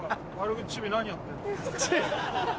チビ何やってんの？